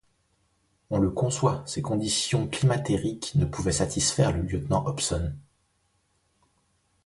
On le conçoit, ces conditions climatériques ne pouvaient satisfaire le lieutenant Hobson.